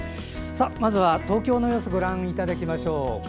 まずは東京の様子ご覧いただきましょう。